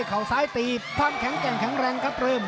ข่าวซ้ายตีฟังแข็งแกร่งแข็งแรงกับเริ่ม